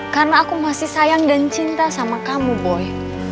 karena aku masih sayang dan cinta sama kamu boy